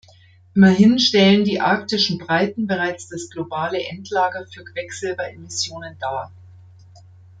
Immerhin stellen die arktischen Breiten bereits das globale Endlager für Quecksilberemissionen dar.